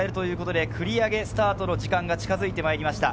繰り上げスタートの時間が近づいてきました。